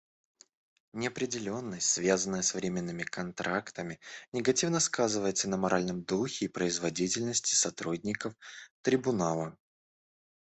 Неопределенность, связанная с временными контрактами, негативно сказывается на моральном духе и производительности сотрудников Трибунала.